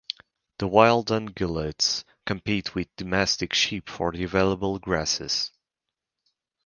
The wild ungulates compete with domestic sheep for the available grasses.